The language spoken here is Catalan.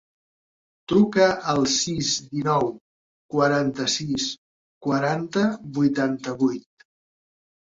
Truca al sis, dinou, quaranta-sis, quaranta, vuitanta-vuit.